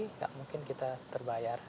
nggak mungkin kita terbayar